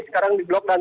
sekarang di blok dan